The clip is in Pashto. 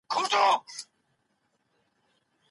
د ملکیار شعر د پښتو ژبې لرغونتوب ښیي.